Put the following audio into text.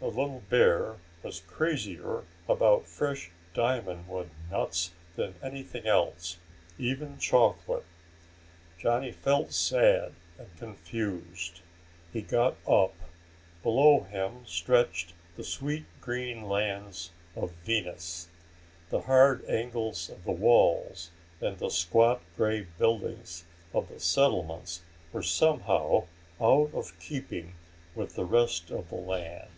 The little bear was crazier about fresh diamond wood nuts than anything else, even chocolate. Johnny felt sad and confused. He got up. Below him stretched the sweet green lands of Venus. The hard angles of the walls and the squat grey buildings of the settlements were somehow out of keeping with the rest of the land.